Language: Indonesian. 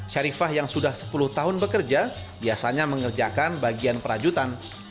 syarifah yang sudah sepuluh tahun bekerja biasanya mengerjakan bagian perajutan